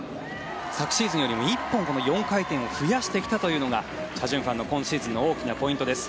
昨シーズンよりも１本４回転を増やしてきたというのがチャ・ジュンファンの今シーズンの大きなポイントです。